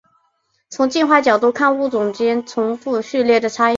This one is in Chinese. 从进化角度看物种间重复序列的差异是自然选择的结果。